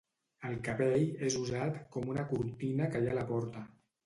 El cabell és usat com una cortina que hi ha a la porta.